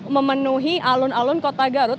memenuhi alun alun kota garut